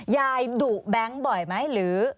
ยายดุแบงค์บ่อยไหมหรือ